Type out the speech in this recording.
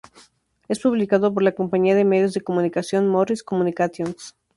Es publicado por la compañía de medios de comunicación Morris Communications.